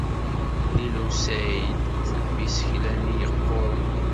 Lila u Saɛid tebbi isekla-nni yeqquren.